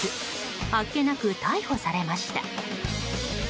あっけなく逮捕されました。